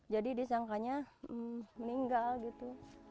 jadi disangkanya meninggal gitu